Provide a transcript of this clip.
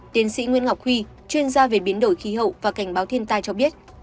tiến sĩ nguyễn ngọc huy chuyên gia về biến đổi khí hậu và cảnh báo thiên tai cho biết